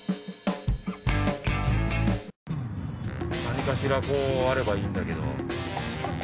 何かしらこうあればいいんだけど。